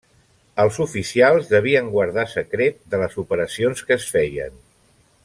Els oficials devien guardar secret de les operacions que es feien.